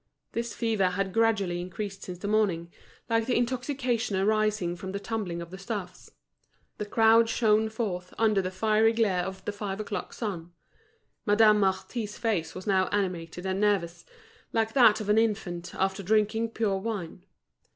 This fever had gradually increased since the morning, like the intoxication arising from the tumbling of the stuffs. The crowd shone forth under the fiery glare of the five o'clock sun. Madame Marty's face was now animated and nervous, like that of an infant after drinking pure wine.